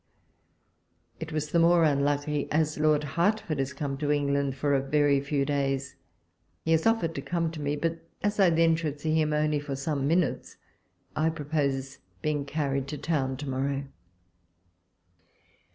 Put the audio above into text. It was the more unlucky as Lord Hertford is come to England for a very few days. He has offered to come to me ; but as I then should see him only for some minutes, I propose being carried to town to morrow.